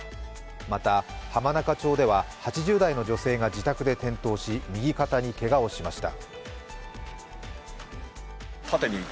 また浜中町では８０代の女性が自宅で転倒し右肩にけがをしました。